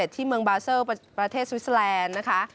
ที่เมืองบาเซอร์ประเทศสวิสเตอร์แลนด์นะคะ